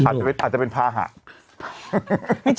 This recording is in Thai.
อาจจะเป็นพระหา